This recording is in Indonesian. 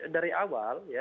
dari awal ya